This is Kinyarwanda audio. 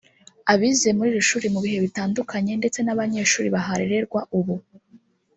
abize muri iri shuri mu bihe bitandukanye ndetse n’abanyeshuri baharererwa ubu